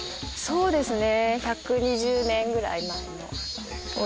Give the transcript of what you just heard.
そうですね。